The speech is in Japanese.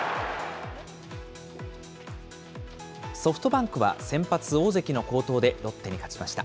ソフトバンクは先発、大関の好投でロッテに勝ちました。